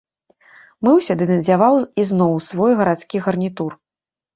Мыўся ды надзяваў ізноў свой гарадскі гарнітур.